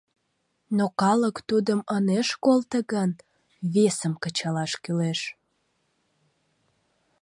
Но калык тудым ынеж колто гын, весым кычалаш кӱлеш.